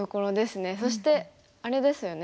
そしてあれですよね